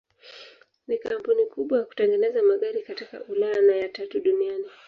Ni kampuni kubwa ya kutengeneza magari katika Ulaya na ya tatu duniani.